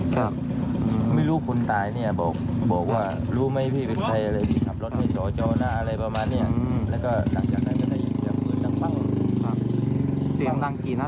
ที่เขาได้ยินเสียงเหตุการณ์นะคะ